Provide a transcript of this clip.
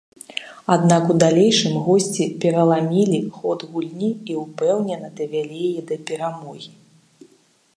Аднак у далейшым госці пераламілі ход гульні і ўпэўнена давялі яе да перамогі.